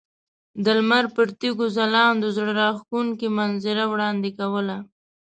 د لمر پر تیږو ځلیدو زړه راښکونکې منظره وړاندې کوله.